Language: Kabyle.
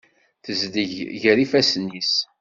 Tezleg ger ifassen-is.